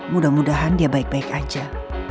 mudah mudahan dia baik baik aja